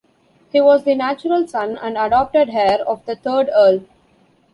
He was the natural son and adopted heir of the third Earl.